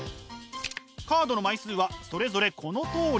カードの枚数はそれぞれこのとおり。